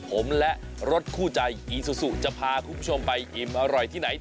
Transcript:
ผมและรถคู่ใจอีซูซูจะพาคุณผู้ชมไปอิ่มอร่อยที่ไหน